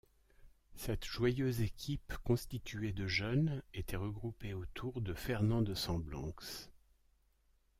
Cette joyeuse équipe constituée de jeunes était regroupée autour de Fernand De Samblanx.